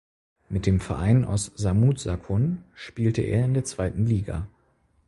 Mit dem Verein aus Samut Sakhon spielte er in der zweiten Liga.